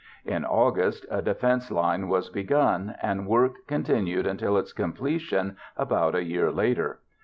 In August a defense line was begun, and work continued until its completion about a year later.